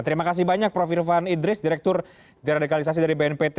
terima kasih banyak prof irfan idris direktur deradikalisasi dari bnpt